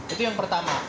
itu yang pertama